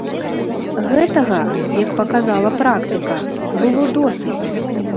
Гэтага, як паказала практыка, было досыць.